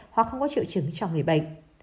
hoặc không có triệu chứng cho người bệnh